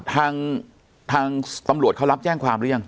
ทางทางตำรวจเขารับแจ้งความหรือยัง